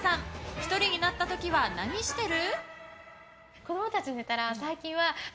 １人になった時は何してる？